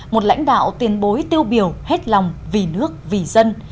một lãnh đạo tiền bối tiêu biểu hết lòng vì nước vì dân